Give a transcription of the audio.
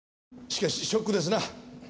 しかしショックですな。